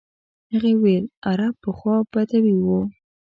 هغې ویل عرب پخوا بدوي وو.